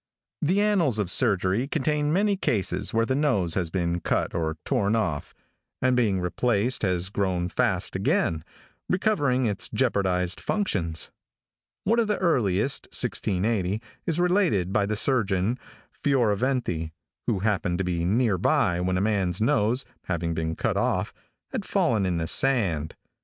|THE annals of surgery contain many cases where the nose has been cut or torn off, and being replaced has grown fast again, recovering its jeopardized functions. One of the earliest, 1680, is related by the surgeon (Fioraventi) who happened to be near by when a man's nose, having been cut off, had fallen in the sand.